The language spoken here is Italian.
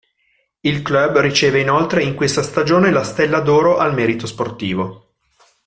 Il club riceve inoltre in questa stagione la Stella d'oro al Merito Sportivo.